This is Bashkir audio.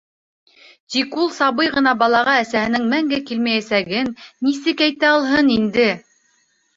Тик ул сабый ғына балаға әсәһенең мәңге килмәйәсәген нисек әйтә алһын инде.